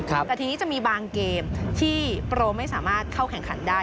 แต่ทีนี้จะมีบางเกมที่โปรไม่สามารถเข้าแข่งขันได้